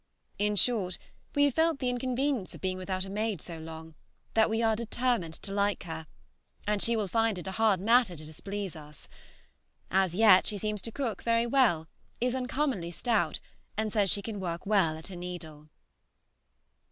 In short, we have felt the inconvenience of being without a maid so long, that we are determined to like her, and she will find it a hard matter to displease us. As yet, she seems to cook very well, is uncommonly stout, and says she can work well at her needle.